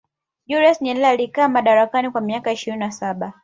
julius nyerere alikaa madarakani kwa miaka ishirini na saba